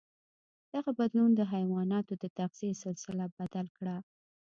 دغه بدلون د حیواناتو د تغذيې سلسله بدل کړه.